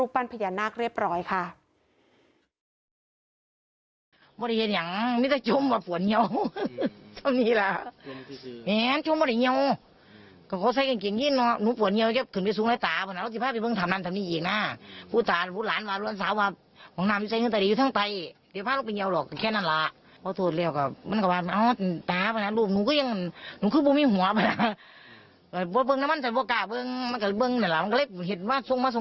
พาหลานไปขอเข้ามาที่รูปบ้านพญานาคเรียบร้อยค่ะ